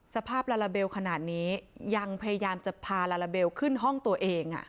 ลาลาเบลขนาดนี้ยังพยายามจะพาลาลาเบลขึ้นห้องตัวเอง